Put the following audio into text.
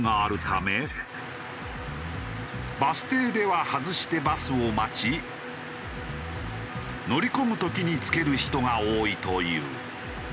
バス停では外してバスを待ち乗り込む時に着ける人が多いという。